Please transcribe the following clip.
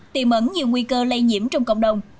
tìm ẩn nhiều nguy cơ lây nhiễm trong cộng đồng